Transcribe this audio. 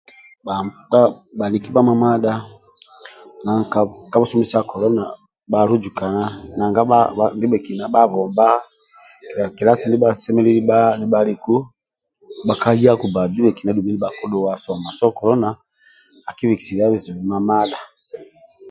Bhakpa bhaniki bhamamadha ka busumi sa kolona bhaluzukana nanga ndibhekina bhabomba kilasi ndia bhasemelelu bha nibhaliku bhakyaku so kolona akibikisilia bizibu mamadha